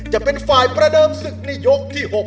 จะเป็นฝ่ายประเดิมศึกในยกที่๖